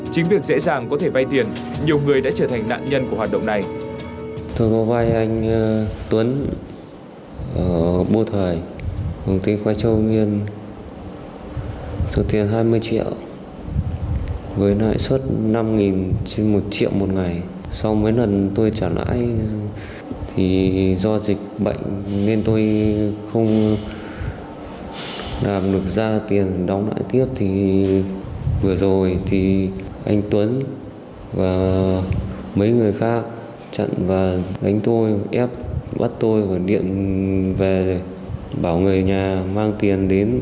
chính việc dễ dàng có thể vai tiền nhiều người đã trở thành nạn nhân của hoạt động này